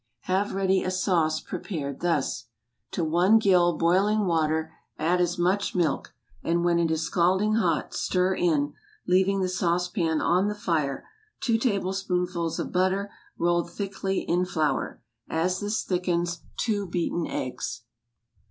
Have ready a sauce prepared thus:— To one gill boiling water add as much milk, and when it is scalding hot, stir in—leaving the sauce pan on the fire—two tablespoonfuls of butter, rolled thickly in flour; as this thickens, two beaten eggs.